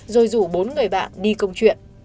rồi rủ bốn người bạn đi công chuyện